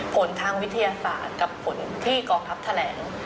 ผลทางวิทยาศาสตร์กับผลที่กองทัพแถลง